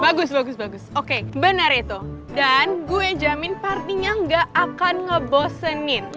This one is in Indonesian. bagus bagus bagus oke benar itu dan gue jamin partinya gak akan ngebosenin